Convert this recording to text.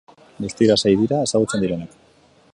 Guztira sei dira ezagutzen direnak.